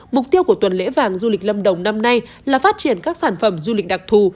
mục tiêu của tuần lễ vàng du lịch lâm đồng năm nay là phát triển các sản phẩm du lịch đặc thù